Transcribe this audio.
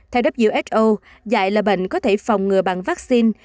theo who dạy là bệnh có thể phòng ngừa bằng vaccine